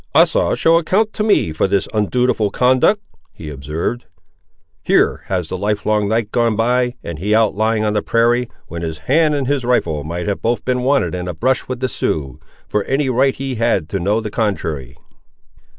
"Asa shall account to me for this undutiful conduct!" he observed. "Here has the livelong night gone by, and he out lying on the prairie, when his hand and his rifle might both have been wanted in a brush with the Siouxes, for any right he had to know the contrary."